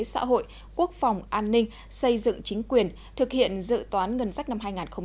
xã hội quốc phòng an ninh xây dựng chính quyền thực hiện dự toán ngân sách năm hai nghìn hai mươi